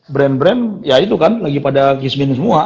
brand brand ya itu kan lagi pada kismin semua